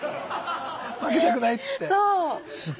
負けたくないって言って。